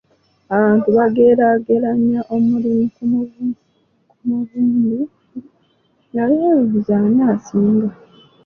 "Abantu bageraageranya omulimi ku mubumbi, nga beebuuza ani asinga."